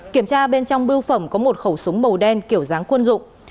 kiểm tra bên trong bưu phẩm có một khẩu súng màu đen kiểu dáng quân dụng